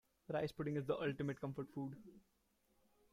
Rice pudding is the ultimate comfort food.